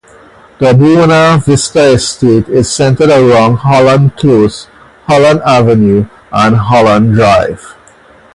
The Buona Vista estate is centred around Holland Close, Holland Avenue and Holland Drive.